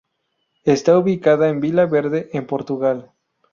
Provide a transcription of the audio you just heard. Está ubicada en Vila Verde, en Portugal.